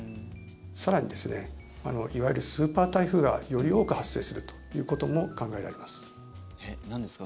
更にですねいわゆるスーパー台風がより多く発生するということも考えられます。